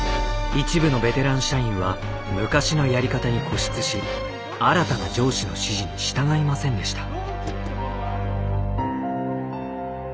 一部のベテラン社員は昔のやり方に固執し新たな上司の指示に従いませんでした。